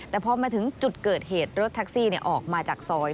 แต่พอมาถึงจุดเกิดเหตุรถแท็กซี่ออกมาจากซอย